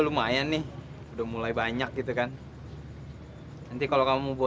sampai jumpa di video selanjutnya